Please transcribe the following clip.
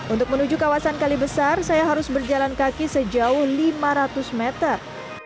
untuk menuju kawasan kalibesar saya harus berjalan kaki sejauh lima ratus meter